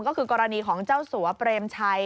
ก็คือกรณีของเจ้าสัวเปรมชัย